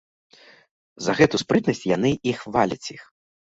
За гэту спрытнасць яны й хваляць іх.